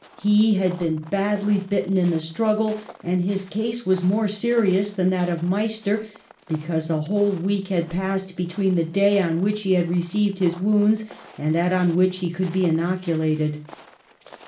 He had been badly bitten in the struggle, and his case was more serious than that of Meister, because a whole week had passed between the day on which he had re ceived his wounds and that on which he could be inoculated.